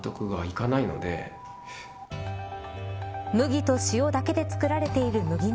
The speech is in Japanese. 麦と塩だけで作られている麦